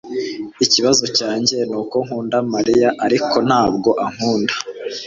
Ikibazo cyanjye nuko nkunda Mariya ariko ntabwo ankunda